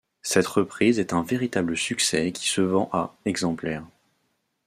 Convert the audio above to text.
Cette reprise est un véritable succès qui se vend à exemplaires.